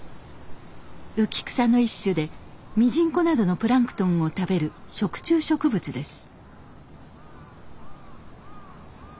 浮き草の一種でミジンコなどのプランクトンを食べる食虫植物です。